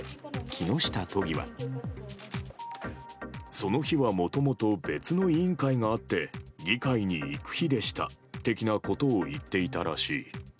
その日はもともと別の委員会があって、議会に行く日でした的なことを言っていたらしい。